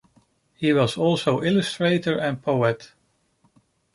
He was also illustrator and poet.